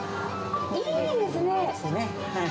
いいですね。